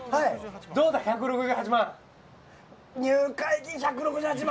どうだ、１６８万。